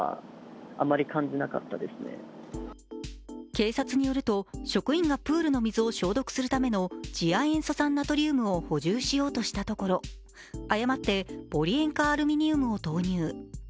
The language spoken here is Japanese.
警察によると職員がプールの水を消毒するための次亜塩素酸ナトリウムを補充しようとしたところ誤ってポリ塩化アルミニウムを投入。